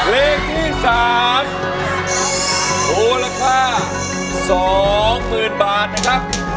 เลขที่๓โหราคา๒๐๐๐๐บาทนะครับ